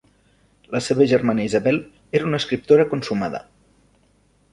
La seva germana Isabel era una escriptora consumada.